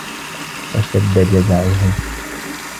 وَاشْتَدَّ جَزَعُهُ